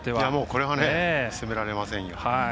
これは責められませんよ。